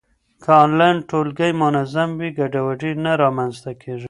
که انلاین ټولګی منظم وي، ګډوډي نه رامنځته کېږي.